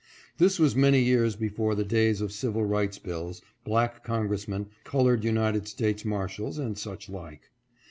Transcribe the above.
This was many years before the days of civil rights bills, black Congressmen, colored United States Marshals, and such like.